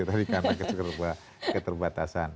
tadi karena keterbatasan